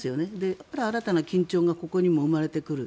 やっぱり新たな緊張がここにも生まれてくる。